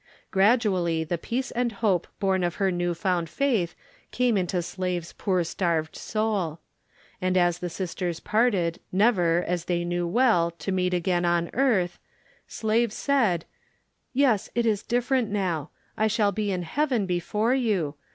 Gradually the Peace and Hope born of her new found faith came into Slave's poor starved soul. And as the sisters parted never as they knew well to meet again on earth, Slave said, "Yes, it is different now, I shall be in heaven before you.